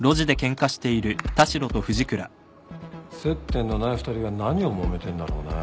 接点のない２人が何をもめてんだろうねえ。